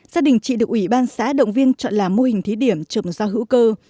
gia đình chị được ủy ban xã động viên chọn làm mô hình thí điểm trộm da hữu cơ